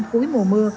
cuối mùa mưa